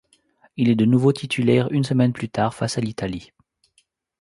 Il est de nouveau titulaire une semaine plus tard face à l'Italie.